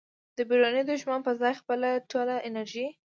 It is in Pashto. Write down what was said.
د بیروني دښمن په ځای خپله ټوله انرژي